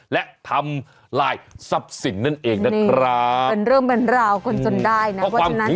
และทำลายทรัพย์สิ่งนั่นเองนะครับเป็นเรื่องเป็นราวคนจนได้น่ะ